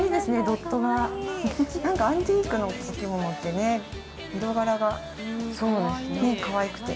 なんかアンティークのお着物って、色柄がかわいくて。